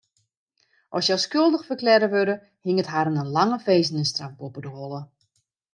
As hja skuldich ferklearre wurde, hinget harren in lange finzenisstraf boppe de holle.